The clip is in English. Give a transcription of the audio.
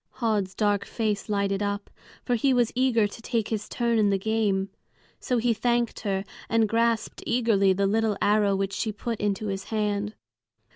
Höd's dark face lighted up, for he was eager to take his turn in the game. So he thanked her, and grasped eagerly the little arrow which she put into his hand.